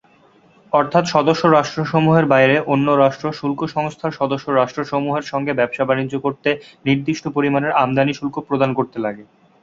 অর্থাৎ সদস্য রাষ্ট্রসমূহের বাইরে অন্য রাষ্ট্র শুল্ক সংস্থার সদস্য রাষ্ট্রসমূহের সঙ্গে ব্যবসা-বাণিজ্য করতে নির্দিষ্ট পরিমাণের আমদানি শুল্ক প্রদান করতে লাগে।